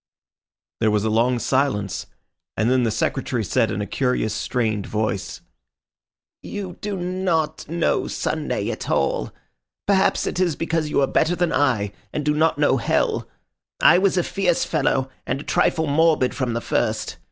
There was a long silence, and then the Secretary said in a curious, strained voice— "You do not know Sunday at all. Perhaps it is because you are better than I, and do not know hell. I was a fierce fellow, and a trifle morbid from the first.